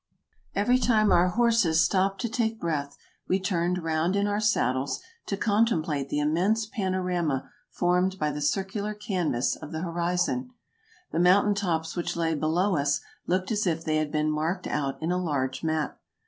Every time our horses stopped to take breath we turned round in our saddles to contemplate the immense panorama formed by the circular canvas of the horizon. The moun tain tops which lay below us looked as if they had been marked out in a large map.